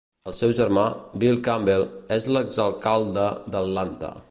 El seu germà, Bill Campbell, és l'exalcalde d'Atlanta.